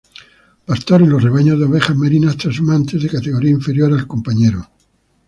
Pastor en los rebaños de ovejas merinas trashumantes de categoría inferior al compañero.